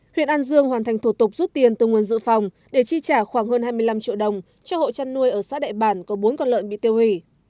huyện an dương hoàn thành thủ tục rút tiền từ nguồn dự phòng để chi trả khoảng hơn hai mươi năm triệu đồng cho hộ chăn nuôi ở xã đại bản có bốn con lợn bị tiêu hủy